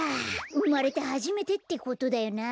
うまれてはじめてってことだよなあ。